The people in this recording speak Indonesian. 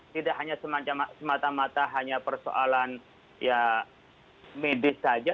tidak hanya semata mata hanya persoalan ya medis saja